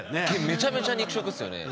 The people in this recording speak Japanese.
めちゃめちゃ肉食っすよね。